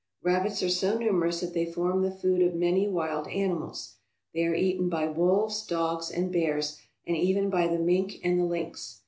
Rabbits are so numerous that they form the food of many wild animals. They are eaten by wolves, dogs, and bears, and even by the mink and the lynx.